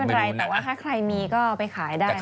ก็ไม่เป็นไรแต่ว่าถ้าใครมีก็เอาไปขายได้เขารับซื้อ